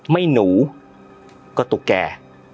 ไม่หนูกระตูแก